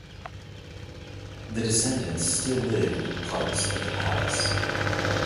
The descendents still live in parts of the palace.